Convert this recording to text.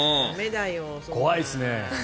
怖いですね。